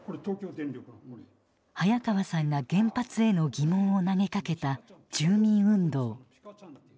早川さんが原発への疑問を投げかけた住民運動。